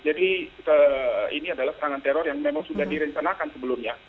jadi ini adalah serangan teror yang memang sudah direncanakan sebelumnya